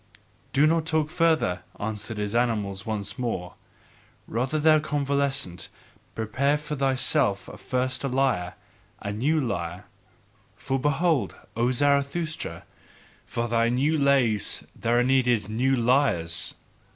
"Do not talk further," answered his animals once more; "rather, thou convalescent, prepare for thyself first a lyre, a new lyre! For behold, O Zarathustra! For thy new lays there are needed new lyres.